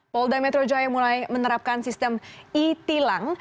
polda metro jaya mulai menerapkan sistem e tilang